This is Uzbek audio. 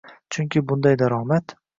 Chunki bunday daromad